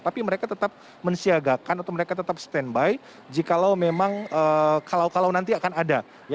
tapi mereka tetap men siagakan atau mereka tetap stand by jika memang kalau kalau nanti akan ada